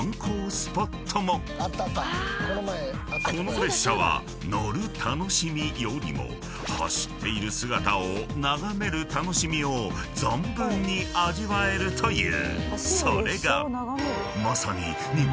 ［この列車は乗る楽しみよりも走っている姿を眺める楽しみを存分に味わえるという。